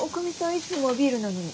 いつもはビールなのに。